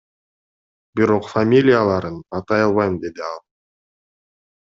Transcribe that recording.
Бирок фамилияларын атай албайм, — деди ал.